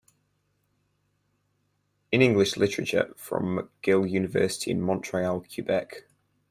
in English literature from McGill University in Montreal, Quebec.